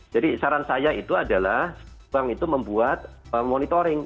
jadi saran saya itu adalah bank itu membuat monitoring